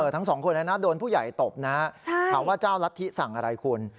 ทั้งสองคนโดนผู้ใหญ่ตบนะถามว่าเจ้ารัฐธิสั่งอะไรคุณ